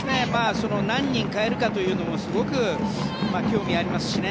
何人代えるかというのもすごく興味ありますしね。